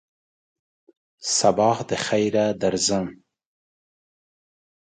سبا دخیره درځم !